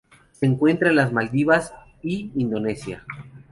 Se encuentra en las Maldivas y Indonesia.